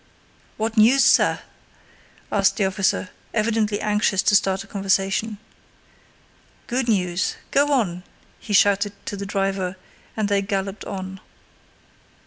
"What news, sir?" asked the officer, evidently anxious to start a conversation. "Good news!... Go on!" he shouted to the driver, and they galloped on.